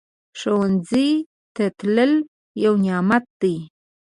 ښوونځی ته تلل یو نعمت دی